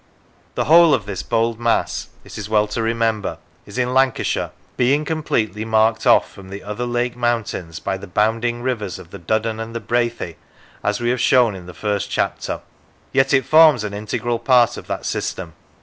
The whole of this bold mass, it is well to remember, is in Lanca shire, being completely marked off from the other Lake mountains by the bounding rivers of the Duddon and the Brathay, as we have shown in the first chapter. Yet it forms an integral part of that system.